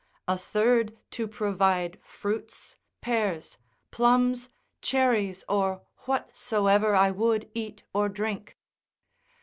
A third to provide fruits, pears, plums, cherries, or whatsoever I would eat or drink.